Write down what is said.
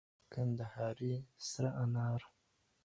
کندهاري سره انار.